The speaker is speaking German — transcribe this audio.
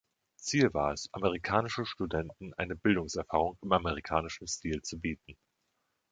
Ziel war es, amerikanischen Studenten eine Bildungserfahrung im amerikanischen Stil zu bieten.